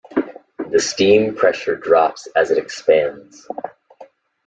The steam pressure drops as it expands.